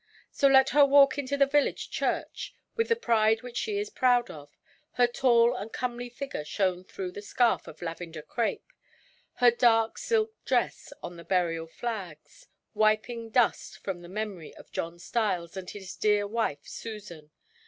So let her walk into the village church with the pride which she is proud of, her tall and comely figure shown through the scarf of lavender crape, her dark silk dress on the burial flags, wiping dust from the memory of John Stiles and his dear wife Susan.